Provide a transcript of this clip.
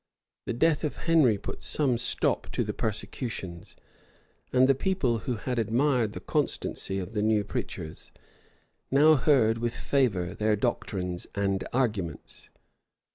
The death of Henry put some stop to the persecutions; and the people, who had admired the constancy of the new preachers, now heard with favor their doctrines and arguments.